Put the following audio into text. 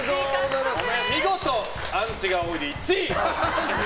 見事、アンチが多いで１位！